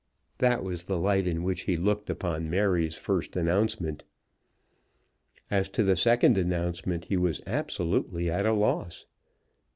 That was the light in which he looked upon Mary's first announcement. As to the second announcement he was absolutely at a loss.